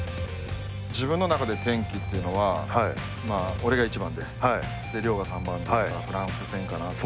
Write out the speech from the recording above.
自分の中で転機っていうのは俺が１番で、亮が３番だったフランス戦かな。